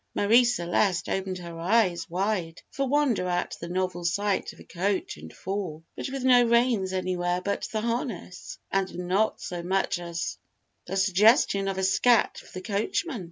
Marie Celeste opened her eyes wide for wonder at the novel sight of a coach and four, but with no reins anywhere about the harness, and not so much as the suggestion of a scat for the coachman.